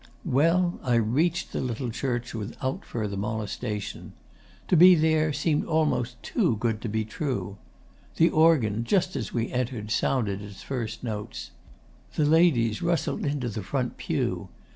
'Well, I reached the little church without further molestation. To be there seemed almost too good to be true. The organ, just as we entered, sounded its first notes. The ladies rustled into the front pew.